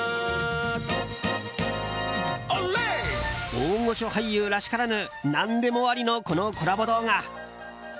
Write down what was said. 大御所俳優らしからぬ何でもありの、このコラボ動画。